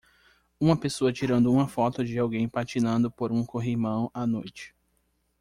Uma pessoa tirando uma foto de alguém patinando por um corrimão à noite.